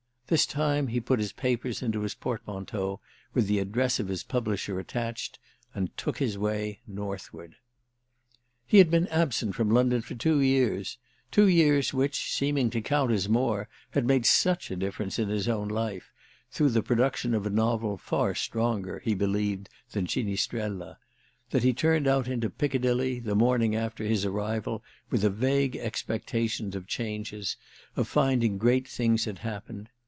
This time he put his papers into his portmanteau, with the address of his publisher attached, and took his way northward. He had been absent from London for two years—two years which, seeming to count as more, had made such a difference in his own life—through the production of a novel far stronger, he believed, than "Ginistrella"—that he turned out into Piccadilly, the morning after his arrival, with a vague expectation of changes, of finding great things had happened.